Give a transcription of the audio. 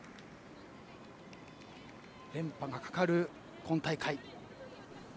連覇がかかる今大会。